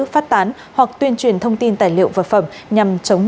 phát tán hoặc tuyên truyền thông tin tài liệu